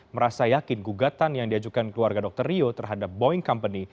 merasa yakin gugatan yang diajukan keluarga dr rio terhadap boeing company